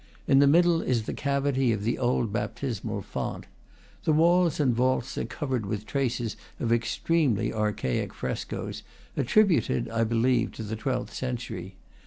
In the middle is the cavity of the old baptismal font. The walls and vaults are covered with traces of extremely archaic frescos, attributed, I believe, to the twelfth century.